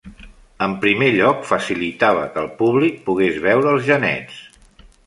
En primer lloc, facilitava que el públic pogués veure els genets.